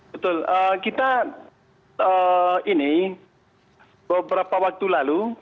betul kita ini beberapa waktu lalu